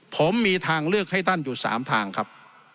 ผมมีทางเลือกให้ท่านอยู่๓ทางครับ